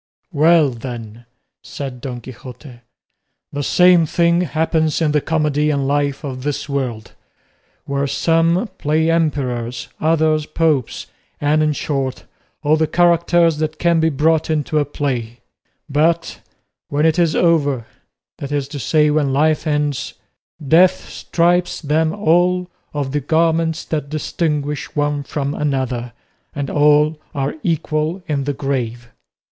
"Well then," said Don Quixote, "the same thing happens in the comedy and life of this world, where some play emperors, others popes, and, in short, all the characters that can be brought into a play; but when it is over, that is to say when life ends, death strips them all of the garments that distinguish one from the other, and all are equal in the grave."